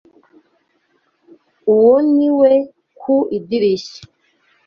Uwo ni we ku idirishya